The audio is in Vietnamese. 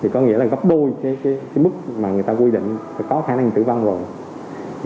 có nghĩa là gấp đôi mức người ta quy định có khả năng tử vong rồi